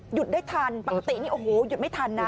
หยุดได้ทันปกตินี่โอ้โหหยุดไม่ทันนะ